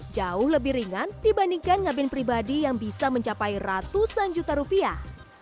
jauh lebih ringan dibandingkan ngabin pribadi yang bisa mencapai ratusan juta rupiah